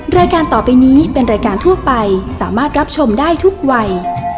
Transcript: รายการต่อไปนี้เป็นรายการทั่วไปสามารถรับชมได้ทุกวัย